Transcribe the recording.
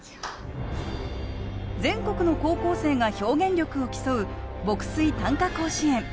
全国の高校生が表現力を競う牧水・短歌甲子園。